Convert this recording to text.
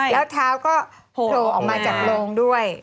แล้วเท้าก็โผล่ออกมาจากโรงด้วย